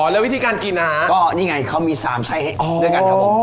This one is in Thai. แล้ววิธีการกินนะฮะก็นี่ไงเขามี๓ไส้ด้วยกันครับผม